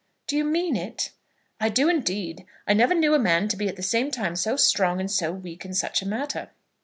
"Do you mean it?" "I do, indeed. I never knew a man to be at the same time so strong and so weak in such a matter.